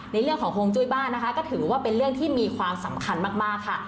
ในเรื่องของฮวงจุ้ยบ้านนะคะก็ถือว่าเป็นเรื่องที่มีความสำคัญมากค่ะ